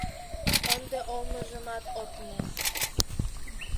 Ынде олмыжымат от му.